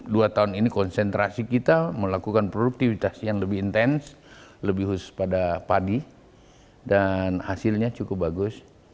dua tahun ini konsentrasi kita melakukan produktivitas yang lebih intens lebih khusus pada padi dan hasilnya cukup bagus